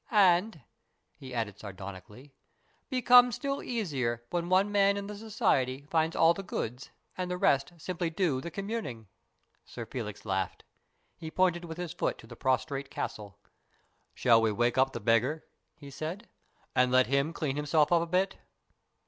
And," he added sardonically, " becomes still easier when one man in the society finds all the goods, and the rest simply do the communing." Sir Felix laughed. He pointed with his foot to the prostrate Castle. "Shall we wake the beggar," he said, " and let him clean himself up a bit?"